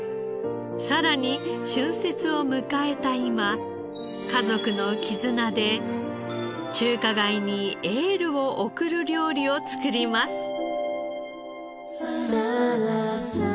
さらに春節を迎えた今家族の絆で中華街にエールを送る料理を作ります。